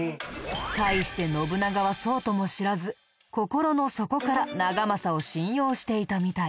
対して信長はそうとも知らず心の底から長政を信用していたみたい。